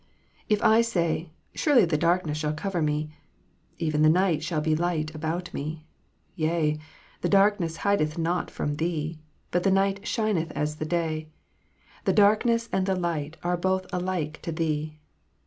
If I say, Surely the darkness shall cover me ; even the night shall be light about me. Yea, the dark ness hideth not from Thee ; but the night shineth as the day : the darkness and the light are both alike to Thee."